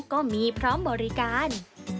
ก็มีพร้อมบริการ